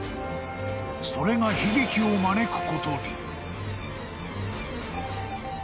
［それが悲劇を招くことに］